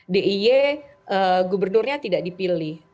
diy gubernurnya tidak dipilih